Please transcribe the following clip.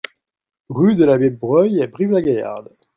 Rue de l'Abbé Breuil à Brive-la-Gaillarde